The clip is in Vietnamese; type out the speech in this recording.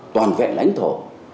toàn vẹn lãnh thổ